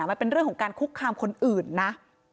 มันเป็นเรื่องของการคุกคามคนอื่นนะ